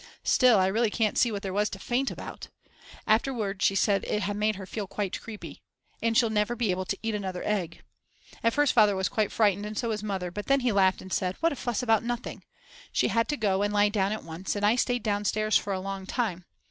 Still, I really can't see what there was to faint about. Afterwards she said it had made her feel quite creepy. And she'll never be able to eat another egg. At first Father was quite frightened and so was Mother, but then he laughed and said: What a fuss about nothing! She had to go and lie down at once and I stayed downstairs for a long time.